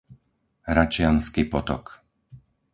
Račiansky potok